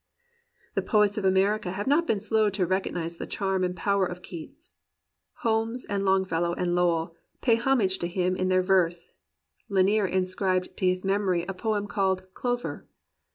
The p>oets of America have not been slow to recog nize the charm and power of Keats. Holmes and Longfellow and Lowell paid homage to him in their verse. Lanier inscribed to his memory a poem called "Clover."